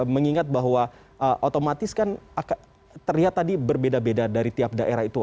mengingat bahwa otomatis kan terlihat tadi berbeda beda dari tiap daerah itu